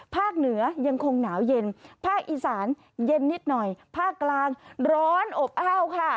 เหนือยังคงหนาวเย็นภาคอีสานเย็นนิดหน่อยภาคกลางร้อนอบอ้าวค่ะ